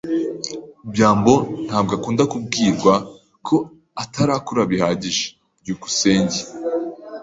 byambo ntabwo akunda kubwirwa ko atarakura bihagije. byukusenge